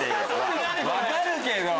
分かるけど！